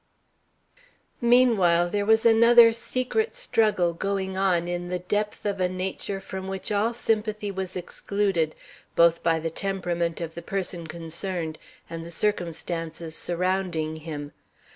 Meanwhile there was another secret struggle going on in the depth of a nature from which all sympathy was excluded both by the temperament of the person concerned and the circumstances surrounding him.